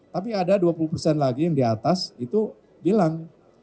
tapi ada dua puluh persen lagi yang di atas itu bilang